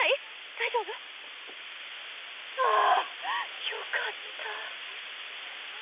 大丈夫？ああよかった。